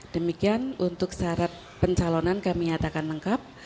demikian untuk syarat pencalonan kami nyatakan lengkap